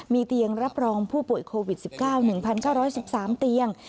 มีเตียงรับรองผู้ป่วยโควิด๑๙หนึ่งพันเก้าร้อยสิบสามเตียง